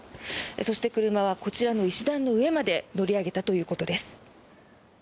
そして、車はこちらの石段の上まで乗り上げたということです。